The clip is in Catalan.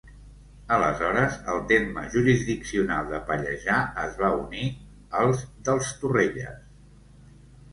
Aleshores el terme jurisdiccional de Pallejà es va unir als dels Torrelles.